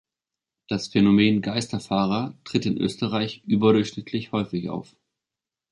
Das Phänomen „Geisterfahrer“ tritt in Österreich überdurchschnittlich häufig auf.